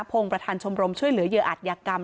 พงศ์ประธานชมรมช่วยเหลือเหยื่ออัตยกรรม